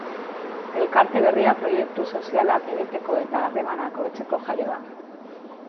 Elkarte berria proiektu sozialak egiteko eta harremanak hobetzeko jaio da.